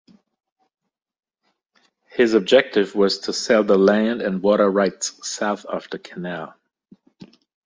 His objective was to sell the land and water rights south of the canal.